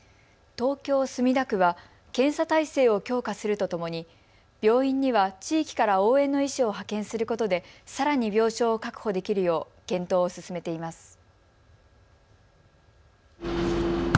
東京墨田区は検査体制を強化するとともに病院には地域から応援の医師を派遣することでさらに病床を確保できるよう検討を進めています。